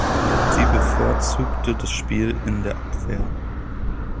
Sie bevorzugte das Spiel in der Abwehr.